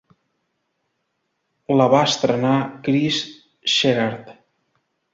La va entrenar Kris Sherard.